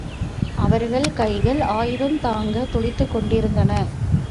அவர்கள் கைகள் ஆயுதந்தாங்கத் துடித்துக் கொண்டிருந்தன.